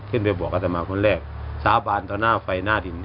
ขึ้นไปบอกอัตตามะคนแรกสาบานตัวหน้าไฟหน้าดิน